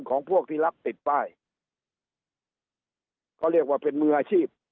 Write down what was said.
ของพวกที่รับติดป้ายเขาเรียกว่าเป็นมืออาชีพ